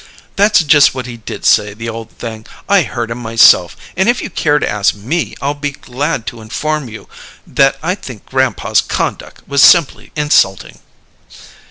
"That's just what he did say, the old thing! I heard him, myself, and if you care to ask me, I'll be glad to inform you that I think grandpa's conduck was simply insulting!"